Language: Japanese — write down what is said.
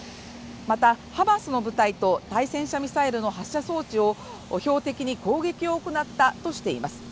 またハマスの部隊と対戦車ミサイルの発射装置を標的に攻撃を行ったとしています